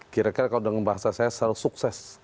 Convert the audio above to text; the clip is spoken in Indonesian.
kira kira kalau dengan bahasa saya selalu sukses